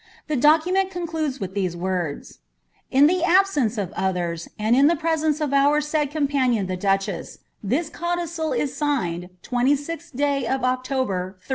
The document concludes witli these words :^ In the absence of others, and in the presence of our said companion the duchess, this codicil is signed, 26th day of October, 1399.